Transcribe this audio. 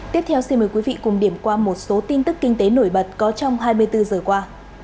tiếp theo xin mời quý vị cùng điểm qua một số tin tức kinh tế nổi bật có trong hai mươi bốn giờ qua